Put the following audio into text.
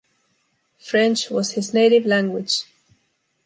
French was his native language.